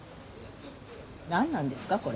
なんなんですか？